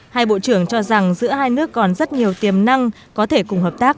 hai bộ trưởng cho rằng giữa hai nước còn rất nhiều tiềm năng có thể cùng hợp tác